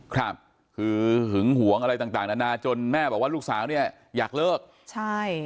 ครับคือหึงหวงอะไรต่างต่างนานาจนแม่บอกว่าลูกสาวเนี่ยอยากเลิกใช่